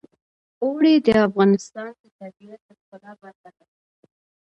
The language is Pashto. اوړي د افغانستان د طبیعت د ښکلا برخه ده.